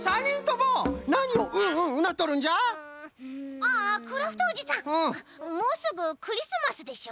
もうすぐクリスマスでしょ？